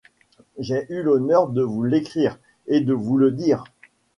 J’ai eu l’honneur de vous l’écrire et de vous le dire.